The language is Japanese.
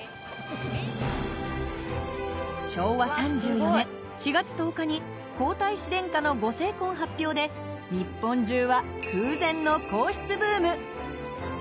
昭和３４年４月１０日に皇太子殿下のご成婚発表で日本中は。